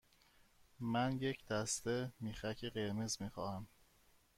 من یک دسته میخک قرمز می خواهم.